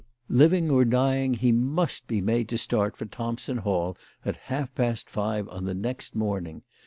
Living or dying he must be made to start for Thompson Hall at half past five on the next morning.